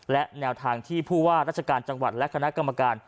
และแนวทางที่ผู้ว่าราชการจังหวัดและคณะกรรมการ